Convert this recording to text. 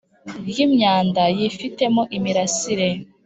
Ry imyanda yifitemo imirasire